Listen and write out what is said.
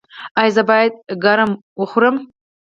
ایا زه باید کرم وخورم؟